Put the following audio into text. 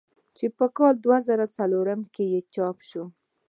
چې پۀ کال دوه زره څلورم کښې چاپ شو ۔